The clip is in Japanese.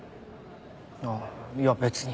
ああいや別に。